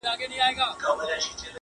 په جهان جهان غمو یې ګرفتار کړم!!